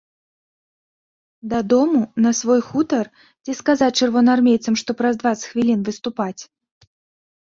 Дадому, на свой хутар, ці сказаць чырвонаармейцам, што праз дваццаць хвілін выступаць?